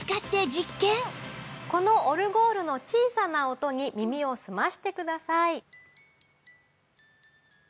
このオルゴールの小さな音に耳を澄ましてください。